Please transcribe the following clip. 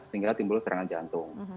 sehingga timbul serangan jantung